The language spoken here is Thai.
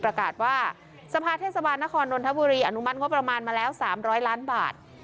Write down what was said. ประกาศว่าสภาเทศบาลนครนนทบุรีอนุมัติงบประมาณมาแล้ว๓๐๐ล้านบาท